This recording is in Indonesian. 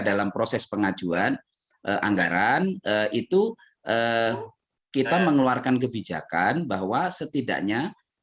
dalam proses pengajuan anggaran itu kita mengeluarkan kebijakan bahwa setidaknya